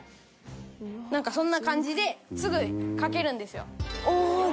なんかそんな感じですぐ描けるんですよ。